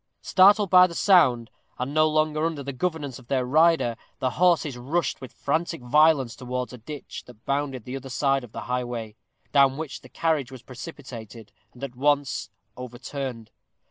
Startled by the sound, and no longer under the governance of their rider, the horses rushed with frantic violence towards a ditch that bounded the other side of the highway, down which the carriage was precipitated, and at once overturned.